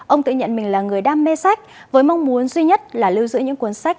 ông tự nhận mình là người đam mê sách với mong muốn duy nhất là lưu giữ những cuốn sách